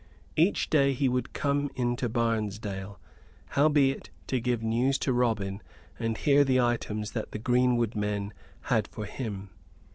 Each day he would come into Barnesdale, howbeit, to give news to Robin and hear the items that the greenwood men had for him.